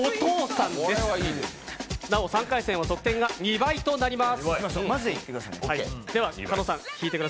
なお、３回戦は得点が２倍となります